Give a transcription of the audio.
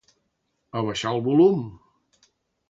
Abaixar el volum.